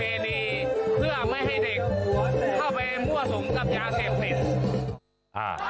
เพื่อไม่ให้เด็กเข้าไปมั่วสุมกับยาเสพติดอ่า